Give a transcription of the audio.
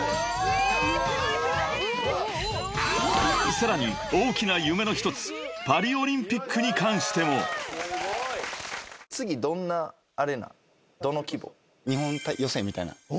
［さらに大きな夢の一つパリオリンピックに関しても］日本予選みたいな。